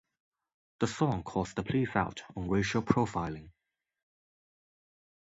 The song calls the police out on racial profiling.